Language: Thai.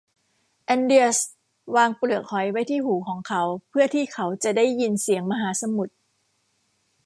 แอนเดรียสวางเปลือกหอยไว้ที่หูของเขาเพื่อที่เขาจะได้ยินเสียงมหาสมุทร